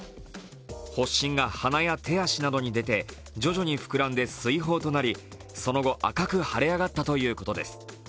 発疹が鼻や手足などに出て徐々に膨らんで水ほうとなりその後、赤く腫れ上がったということです。